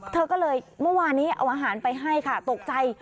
เธอก็เลยเมื่อวานนี้เอาอาหารไปให้ค่ะตกใจ